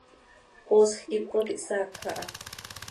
Poosj quih ipot ihsaacj aha.